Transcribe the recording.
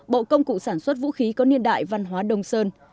bộ công cụ sản xuất vũ khí có niên đại văn hóa đông sơn